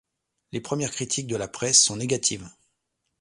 Les premières critiques de la presse sont négatives.